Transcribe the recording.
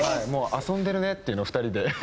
「遊んでるね」っていうのを２人で。